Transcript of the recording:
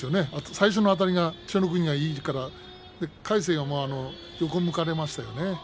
最初のあたりが千代の国がいいから魁聖は横を向かれましたよね。